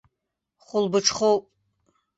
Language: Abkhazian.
Хәылбыҽхоуп.